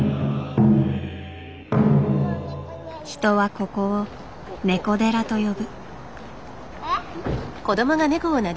人はここを「ねこ寺」と呼ぶ。